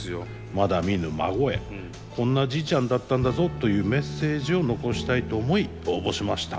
「まだ見ぬ孫へこんなじいちゃんだったんだぞというメッセージを残したいと思い応募しました」。